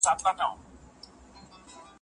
او زه لا دلته یمه